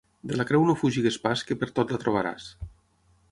De la creu no fugis pas, que pertot la trobaràs.